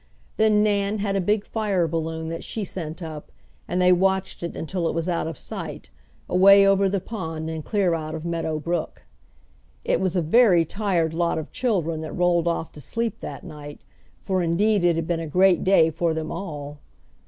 Then Nan had a big fire balloon that she sent up, and they watched it until it was out of sight, away over the pond and clear out of Meadow Brook. It was a very tired lot of children that rolled off to sleep that night, for indeed it had been a great day for them all.